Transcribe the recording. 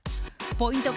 ポイント